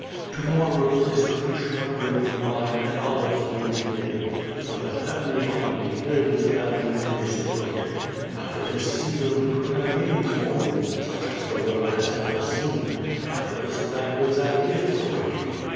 To morrow the distribution of grain, wine, and olives will begin, so that everybody may fill his belly up to his throat. After this Caesar will prepare games for you such as the world has never seen. After this banquets and gifts await you.